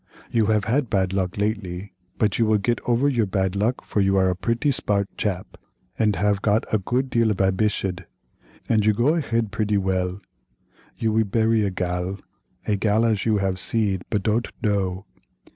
You have had bad luck lately, but you will get over your bad luck for you are a pretty sbardt chap, ad have got a good deal of abbitiod, ad you go ahead pretty well. You will barry a gal—a gal as you have seed but dod't know.